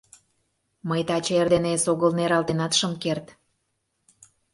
— Мый таче эрдене эсогыл нералтенат шым керт.